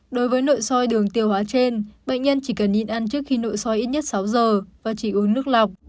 đối với nội soi đường tiêu hóa trên bệnh nhân chỉ cần nhìn ăn trước khi nội soi ít nhất sáu giờ và chỉ uống nước lọc